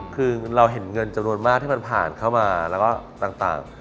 คือเราเห็นเงินจำนวนมากที่มันผ่านเข้ามาแล้วก็ต่าง